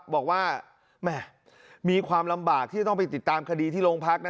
บอกว่าแม่มีความลำบากที่จะต้องไปติดตามคดีที่โรงพักนะ